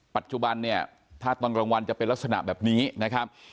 ปัจจุบันเนี่ยถ้าตอนกลางวันจะเป็นลักษณะแบบนี้นะครับ